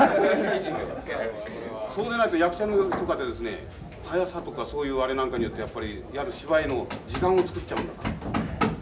そうでないと役者の速さとかそういうあれなんかによってやっぱり芝居の時間をつくっちゃうんだから。